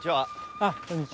あっこんにちは。